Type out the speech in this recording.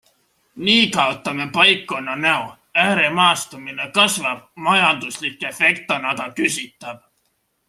Nii kaotame paikkonna näo, ääremaastumine kasvab, majanduslik efekt on aga küsitav.